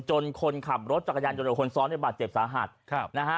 จนคนขับรถจักรยานจนโดยคนซ้อนได้บาดเจ็บสาหัสครับนะฮะ